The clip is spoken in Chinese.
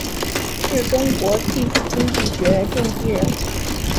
是中国技术经济学奠基人。